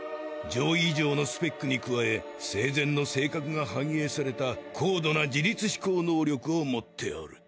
上位以上のスペックに加え生前の性格が反映された高度な自立思考能力を持っておる。